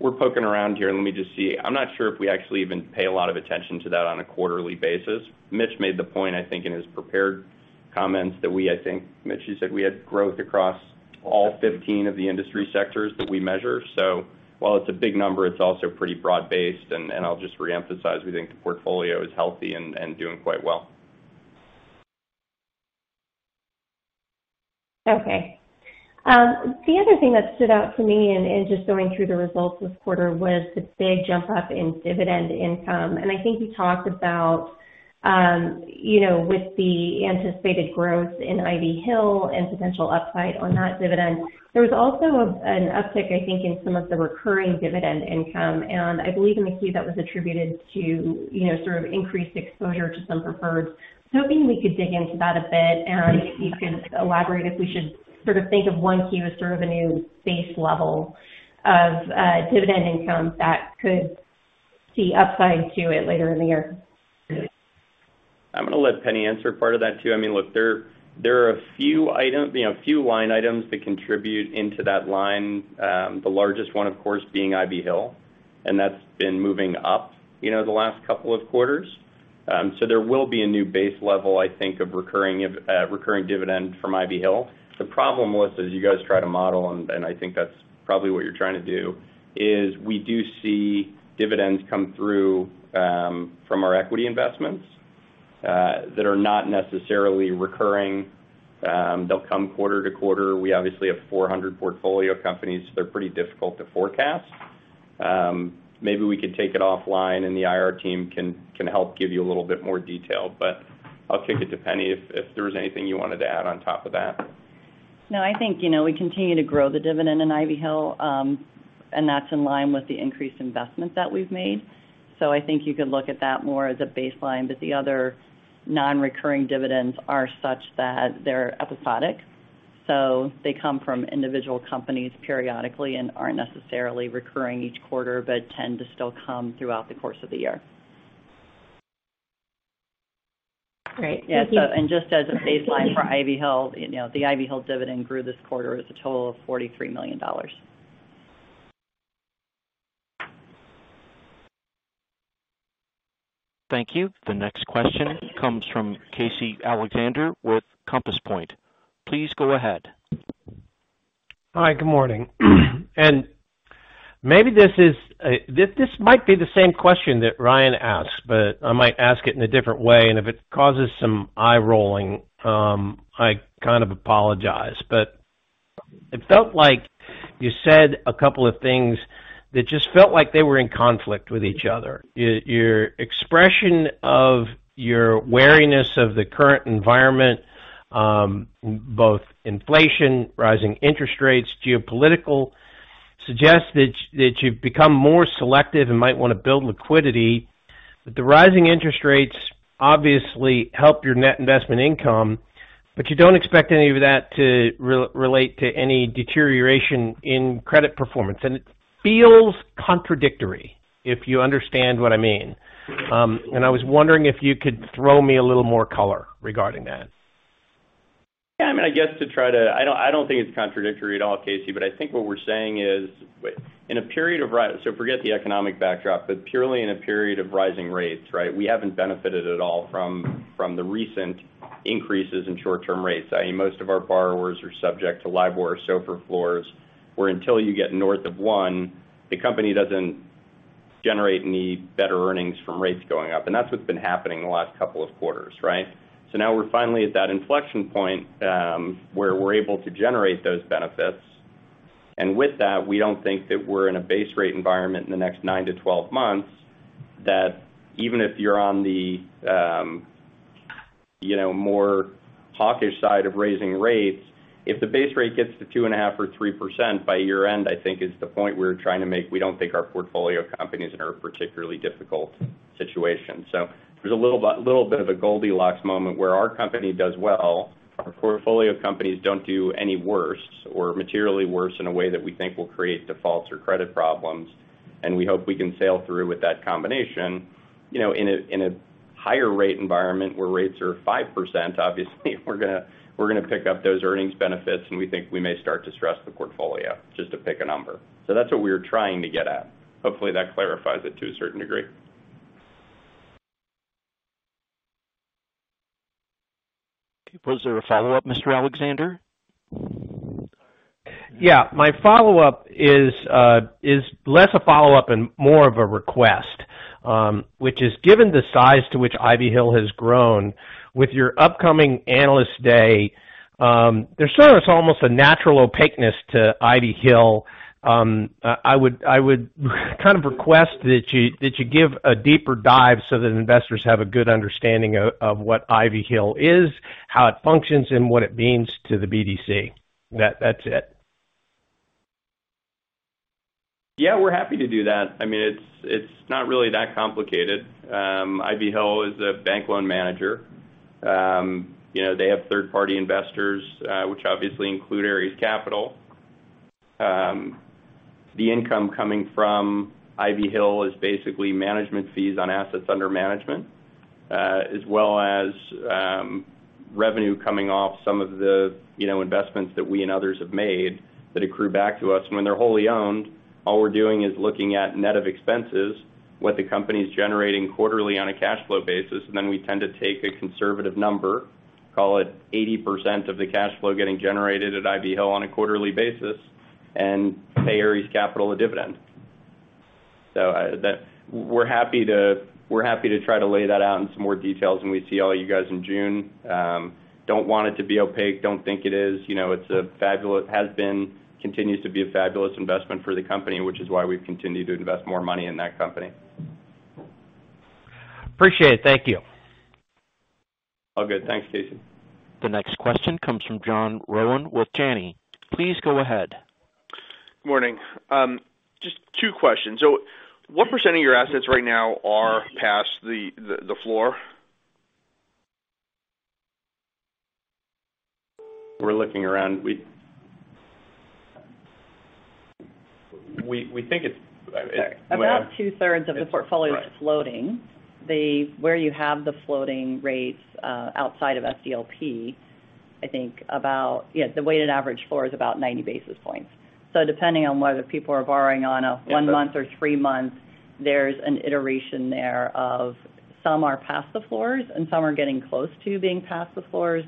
Speaker 3: We're poking around here and let me just see. I'm not sure if we actually even pay a lot of attention to that on a quarterly basis. Mitch made the point, I think, in his prepared comments that I think, Mitch, you said we had growth across all 15 of the industry sectors that we measure. While it's a big number, it's also pretty broad-based. I'll just reemphasize, we think the portfolio is healthy and doing quite well.
Speaker 10: Okay. The other thing that stood out to me in just going through the results this quarter was the big jump up in dividend income. I think you talked about, you know, with the anticipated growth in Ivy Hill and potential upside on that dividend. There was also an uptick, I think, in some of the recurring dividend income. I believe in the Q that was attributed to, you know, sort of increased exposure to some preferreds. Hoping we could dig into that a bit. If you could elaborate if we should sort of think of 1Q as sort of a new base level of dividend income that could see upside to it later in the year.
Speaker 3: I'm gonna let Penni answer part of that too. I mean, look, there are a few items, you know, a few line items that contribute into that line. The largest one, of course, being Ivy Hill, and that's been moving up, you know, the last couple of quarters. So there will be a new base level, I think, of recurring dividend from Ivy Hill. The problem, Melissa, as you guys try to model, and I think that's probably what you're trying to do, is we do see dividends come through from our equity investments that are not necessarily recurring. They'll come quarter to quarter. We obviously have 400 portfolio companies. They're pretty difficult to forecast. Maybe we could take it offline and the IR team can help give you a little bit more detail, but I'll kick it to Penni if there's anything you wanted to add on top of that.
Speaker 4: No, I think, you know, we continue to grow the dividend in Ivy Hill, and that's in line with the increased investment that we've made. I think you could look at that more as a baseline. The other non-recurring dividends are such that they're episodic. They come from individual companies periodically and aren't necessarily recurring each quarter, but tend to still come throughout the course of the year.
Speaker 10: Great. Thank you.
Speaker 4: Just as a baseline for Ivy Hill, you know, the Ivy Hill dividend grew this quarter is a total of $43 million.
Speaker 1: Thank you. The next question comes from Casey Alexander with Compass Point. Please go ahead.
Speaker 11: Hi, good morning. Maybe this might be the same question that Ryan asked, but I might ask it in a different way, and if it causes some eye-rolling, I kind of apologize. It felt like you said a couple of things that just felt like they were in conflict with each other. Your expression of your wariness of the current environment, both inflation, rising interest rates, geopolitical, suggests that you've become more selective and might wanna build liquidity. The rising interest rates obviously help your net investment income, but you don't expect any of that to relate to any deterioration in credit performance. It feels contradictory, if you understand what I mean. I was wondering if you could throw me a little more color regarding that.
Speaker 3: Yeah. I mean, I guess I don't think it's contradictory at all, Casey, but I think what we're saying is, in a period of rising rates, right? Forget the economic backdrop, but purely in a period of rising rates, right? We haven't benefited at all from the recent increases in short-term rates. I mean, most of our borrowers are subject to LIBOR or SOFR floors, where until you get north of 1, the company doesn't generate any better earnings from rates going up. That's what's been happening in the last couple of quarters, right? Now we're finally at that inflection point, where we're able to generate those benefits. With that, we don't think that we're in a base rate environment in the next nine to 12 months, that even if you're on the, you know, more hawkish side of raising rates, if the base rate gets to 2.5% or 3% by year-end, I think is the point we're trying to make. We don't think our portfolio companies are in a particularly difficult situation. There's a little bit of a Goldilocks moment where our company does well, our portfolio companies don't do any worse or materially worse in a way that we think will create defaults or credit problems. We hope we can sail through with that combination. You know, in a higher rate environment where rates are 5%, obviously, we're gonna pick up those earnings benefits, and we think we may start to stress the portfolio just to pick a number. That's what we're trying to get at. Hopefully, that clarifies it to a certain degree.
Speaker 1: Was there a follow-up, Mr. Alexander?
Speaker 11: Yeah. My follow-up is less a follow-up and more of a request, which is given the size to which Ivy Hill has grown with your upcoming analyst day, there's sort of almost a natural opaqueness to Ivy Hill. I would kind of request that you give a deeper dive so that investors have a good understanding of what Ivy Hill is, how it functions, and what it means to the BDC. That's it.
Speaker 3: Yeah, we're happy to do that. I mean, it's not really that complicated. Ivy Hill is a bank loan manager. You know, they have third-party investors, which obviously include Ares Capital. The income coming from Ivy Hill is basically management fees on assets under management, as well as revenue coming off some of the, you know, investments that we and others have made that accrue back to us. When they're wholly owned, all we're doing is looking at net of expenses, what the company's generating quarterly on a cash flow basis, and then we tend to take a conservative number. Call it 80% of the cash flow getting generated at Ivy Hill on a quarterly basis and pay Ares Capital a dividend. We're happy to try to lay that out in some more details when we see all you guys in June. Don't want it to be opaque. Don't think it is. You know, has been, continues to be a fabulous investment for the company, which is why we've continued to invest more money in that company.
Speaker 11: Appreciate it. Thank you.
Speaker 3: All good. Thanks, Casey.
Speaker 1: The next question comes from John Rowan with Janney. Please go ahead.
Speaker 12: Morning. Just two questions. What percent of your assets right now are past the floor?
Speaker 3: We're looking around. We think it's-
Speaker 4: Sorry. About 2/3 of the portfolio is floating. Where you have the floating rates, outside of SDLP, I think about the weighted average floor is about 90 basis points. So depending on whether people are borrowing on a one-month or three-month, there's an iteration there of some are past the floors and some are getting close to being past the floors.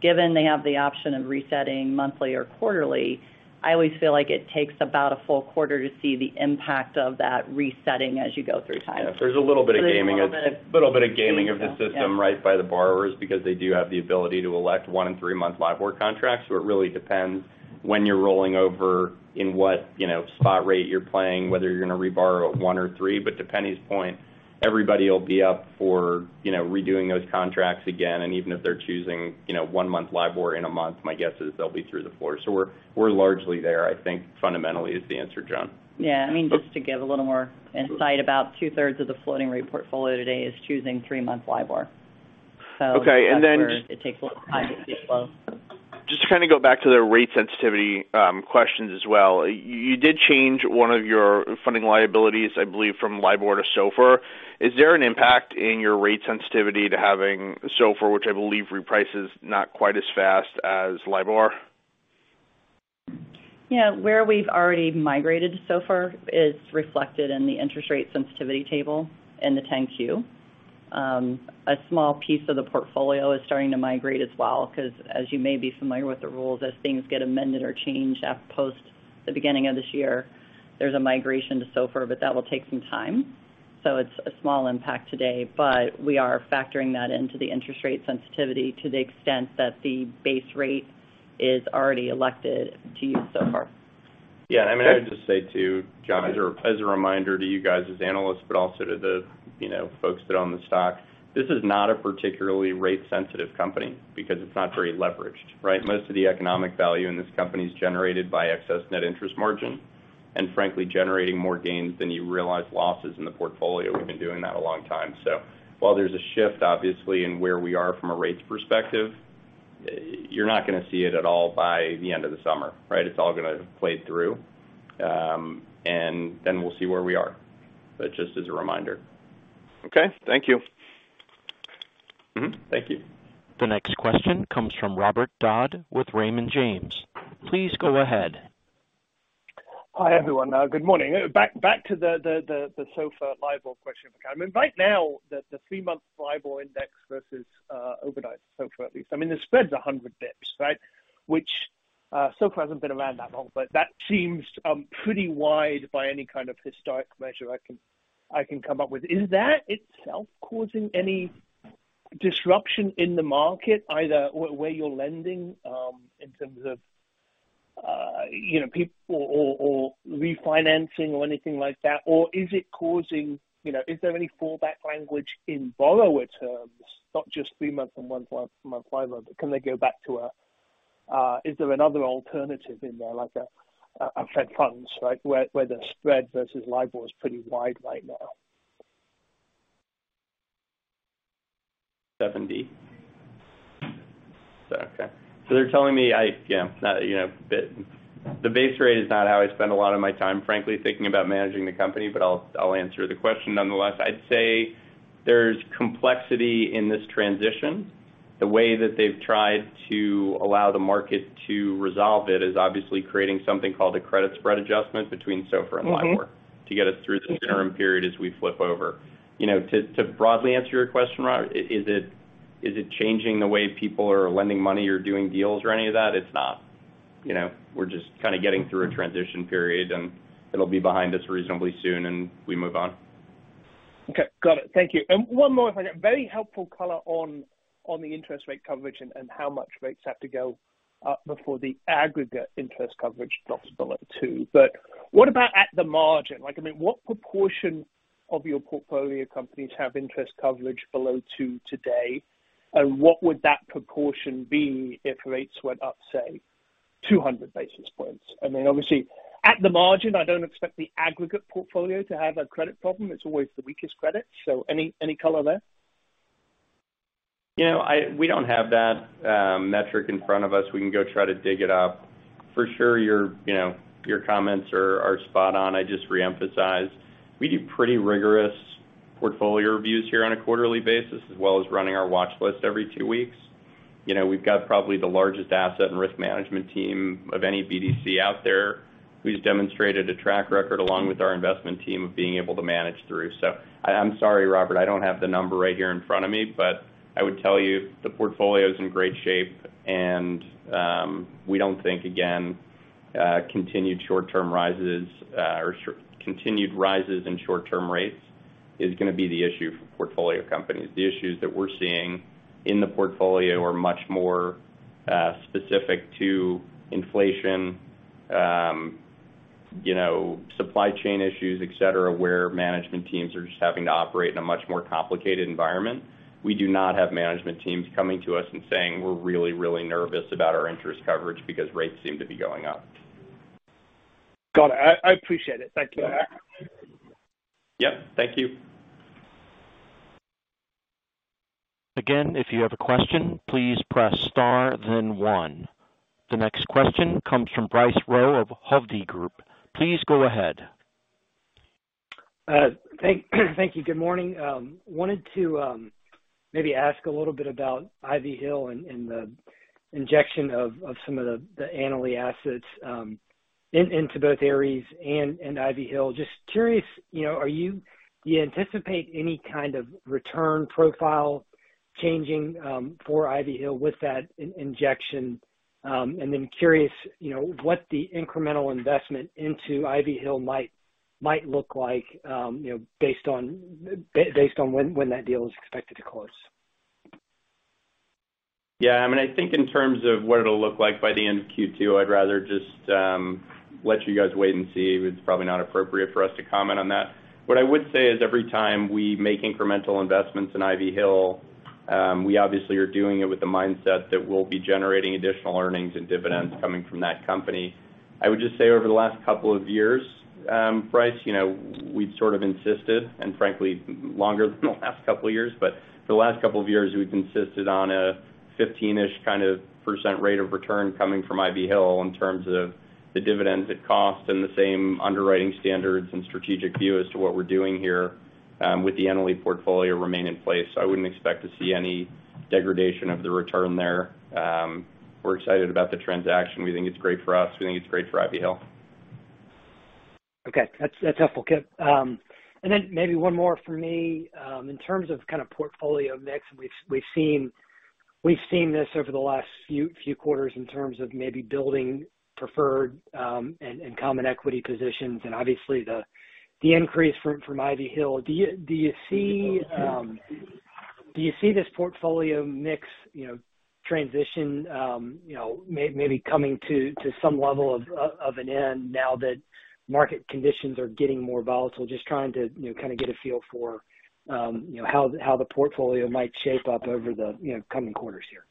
Speaker 4: Given they have the option of resetting monthly or quarterly, I always feel like it takes about a full quarter to see the impact of that resetting as you go through time.
Speaker 3: Yeah. There's a little bit of gaming.
Speaker 4: There's a little bit of-
Speaker 3: A little bit of gaming of the system right by the borrowers because they do have the ability to elect one- or three-month LIBOR contracts. It really depends when you're rolling over in what, you know, spot rate you're playing, whether you're gonna reborrow at one or three. To Penni's point, everybody will be up for, you know, redoing those contracts again. Even if they're choosing, you know, one-month LIBOR in a month, my guess is they'll be through the floor. We're largely there, I think, fundamentally is the answer, John.
Speaker 4: Yeah. I mean, just to give a little more insight, about 2/3 of the floating rate portfolio today is choosing three-month LIBOR.
Speaker 3: Okay.
Speaker 4: It takes a little time to see flow.
Speaker 12: Just to kind of go back to the rate sensitivity, questions as well. You did change one of your funding liabilities, I believe, from LIBOR to SOFR. Is there an impact in your rate sensitivity to having SOFR, which I believe reprices not quite as fast as LIBOR?
Speaker 4: Yeah. Where we've already migrated SOFR is reflected in the interest rate sensitivity table in the 10-Q. A small piece of the portfolio is starting to migrate as well because as you may be familiar with the rules, as things get amended or changed at or post the beginning of this year, there's a migration to SOFR, but that will take some time. It's a small impact today, but we are factoring that into the interest rate sensitivity to the extent that the base rate is already elected to use SOFR.
Speaker 3: Yeah. I mean, I would just say, too, John, as a reminder to you guys as analysts, but also to the, you know, folks that own the stock. This is not a particularly rate sensitive company because it's not very leveraged, right? Most of the economic value in this company is generated by excess net interest margin and frankly generating more gains than you realize losses in the portfolio. We've been doing that a long time. While there's a shift obviously in where we are from a rates perspective, you're not gonna see it at all by the end of the summer, right? It's all gonna play through, and then we'll see where we are. Just as a reminder.
Speaker 12: Okay. Thank you.
Speaker 3: Thank you.
Speaker 1: The next question comes from Robert Dodd with Raymond James. Please go ahead.
Speaker 13: Hi, everyone. Good morning. Back to the SOFR LIBOR question. I mean, right now, the three-month LIBOR index versus overnight SOFR at least. I mean, the spread's 100 basis points, right? Which SOFR hasn't been around that long, but that seems pretty wide by any kind of historic measure I can come up with. Is that itself causing any disruption in the market, either where you're lending in terms of you know PE or refinancing or anything like that? Or is it causing, you know, is there any fallback language in borrower terms, not just three months and one month LIBOR, but can they go back to a is there another alternative in there like a Fed funds, right, where the spread versus LIBOR is pretty wide right now?
Speaker 3: 70. Okay. They're telling me, you know, the base rate is not how I spend a lot of my time, frankly, thinking about managing the company, but I'll answer the question nonetheless. I'd say there's complexity in this transition. The way that they've tried to allow the market to resolve it is obviously creating something called a credit spread adjustment between SOFR and LIBOR to get us through the term period as we flip over. You know, to broadly answer your question, Robert, is it changing the way people are lending money or doing deals or any of that? It's not. You know, we're just kinda getting through a transition period, and it'll be behind us reasonably soon and we move on.
Speaker 13: Okay. Got it. Thank you. One more if I may. Very helpful color on the interest rate coverage and how much rates have to go up before the aggregate interest coverage drops below 2. What about at the margin? Like, I mean, what proportion of your portfolio companies have interest coverage below 2 today? What would that proportion be if rates went up, say, 200 basis points? I mean, obviously at the margin, I don't expect the aggregate portfolio to have a credit problem. It's always the weakest credit. Any color there?
Speaker 3: You know, we don't have that metric in front of us. We can go try to dig it up. For sure, your comments are spot on. I just reemphasize, we do pretty rigorous portfolio reviews here on a quarterly basis, as well as running our watch list every two weeks. You know, we've got probably the largest asset and risk management team of any BDC out there who's demonstrated a track record along with our investment team of being able to manage through. I'm sorry, Robert, I don't have the number right here in front of me, but I would tell you the portfolio is in great shape and we don't think, again, continued short-term rises or continued rises in short-term rates is gonna be the issue for portfolio companies. The issues that we're seeing in the portfolio are much more specific to inflation, you know, supply chain issues, et cetera, where management teams are just having to operate in a much more complicated environment. We do not have management teams coming to us and saying, "We're really, really nervous about our interest coverage because rates seem to be going up.
Speaker 13: Got it. I appreciate it. Thank you.
Speaker 3: Yeah. Thank you.
Speaker 1: Again, if you have a question, please press star then one. The next question comes from Bryce Rowe of Hovde Group. Please go ahead.
Speaker 14: Thank you. Good morning. Wanted to maybe ask a little bit about Ivy Hill and the injection of some of the Annaly assets into both Ares and Ivy Hill. Just curious, you know, do you anticipate any kind of return profile changing for Ivy Hill with that injection? And then curious, you know, what the incremental investment into Ivy Hill might look like, you know, based on when that deal is expected to close.
Speaker 3: Yeah. I mean, I think in terms of what it'll look like by the end of Q2, I'd rather just let you guys wait and see. It's probably not appropriate for us to comment on that. What I would say is every time we make incremental investments in Ivy Hill, we obviously are doing it with the mindset that we'll be generating additional earnings and dividends coming from that company. I would just say over the last couple of years, Bryce, you know, we've sort of insisted and frankly, longer than the last couple of years, but for the last couple of years, we've insisted on a 15%-ish kind of rate of return coming from Ivy Hill in terms of the dividends it costs and the same underwriting standards and strategic view as to what we're doing here with the Annaly portfolio remain in place. I wouldn't expect to see any degradation of the return there. We're excited about the transaction. We think it's great for us. We think it's great for Ivy Hill.
Speaker 14: Okay. That's helpful, Kip. And then maybe one more for me. In terms of kind of portfolio mix, we've seen this over the last few quarters in terms of maybe building preferred and common equity positions and obviously the increase from Ivy Hill. Do you see this portfolio mix, you know, transition, you know, maybe coming to some level of an end now that market conditions are getting more volatile? Just trying to, you know, kind of get a feel for, you know, how the portfolio might shape up over the, you know, coming quarters here.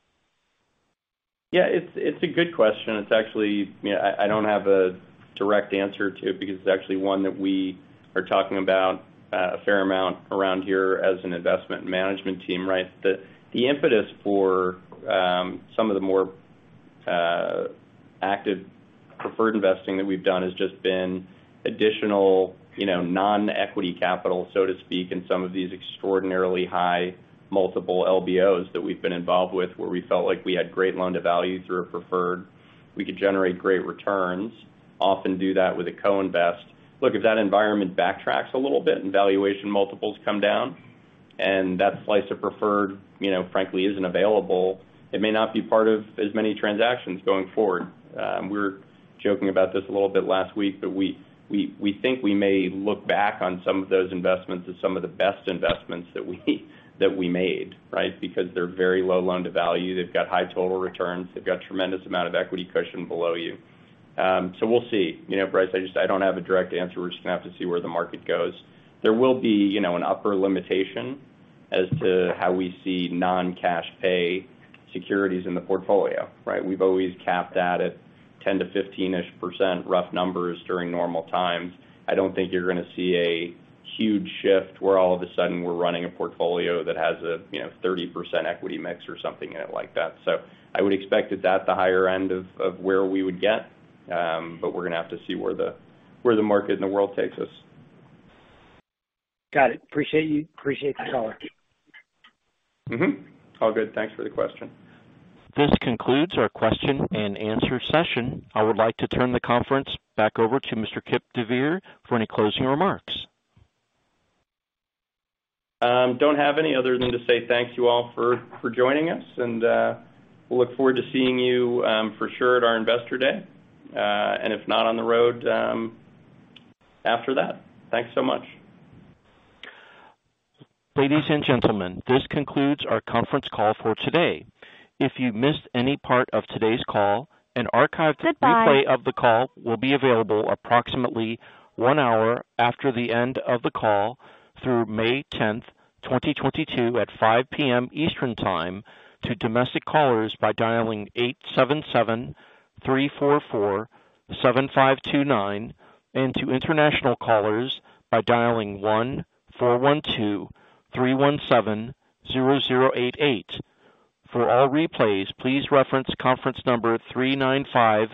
Speaker 3: Yeah, it's a good question. It's actually you know, I don't have a direct answer to it because it's actually one that we are talking about a fair amount around here as an investment management team, right? The impetus for some of the more active preferred investing that we've done has just been additional, you know, non-equity capital, so to speak, in some of these extraordinarily high multiple LBOs that we've been involved with where we felt like we had great loan-to-value through a preferred. We could generate great returns, often do that with a co-invest. Look, if that environment backtracks a little bit and valuation multiples come down and that slice of preferred, you know, frankly, isn't available, it may not be part of as many transactions going forward. We were joking about this a little bit last week, but we think we may look back on some of those investments as some of the best investments that we made, right? Because they're very low loan-to-value. They've got high total returns. They've got tremendous amount of equity cushion below you. So we'll see. You know, Bryce, I just I don't have a direct answer. We're just gonna have to see where the market goes. There will be, you know, an upper limitation as to how we see non-cash pay securities in the portfolio, right? We've always capped that at 10%-15%-ish, rough numbers during normal times. I don't think you're gonna see a huge shift where all of a sudden we're running a portfolio that has a, you know, 30% equity mix or something in it like that. I would expect that that's the higher end of where we would get, but we're gonna have to see where the market and the world takes us.
Speaker 14: Got it. Appreciate you. Appreciate the color.
Speaker 3: All good. Thanks for the question.
Speaker 1: This concludes our question and answer session. I would like to turn the conference back over to Mr. Kipp deVeer for any closing remarks.
Speaker 3: I don't have any other than to say thank you all for joining us, and we'll look forward to seeing you for sure at our Investor Day, and if not on the road after that. Thanks so much.
Speaker 1: Ladies and gentlemen, this concludes our conference call for today. If you missed any part of today's call, an archived replay of the call will be available approximately one hour after the end of the call through May 10th, 2022 at 5 P.M. Eastern Time to domestic callers by dialing 877-344-7529 and to international callers by dialing 1-412-317-0088. For all replays, please reference conference number 395-7963.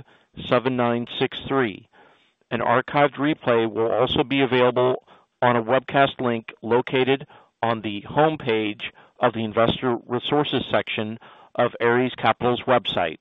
Speaker 1: An archived replay will also be available on a webcast link located on the homepage of the investor resources section of Ares Capital's website.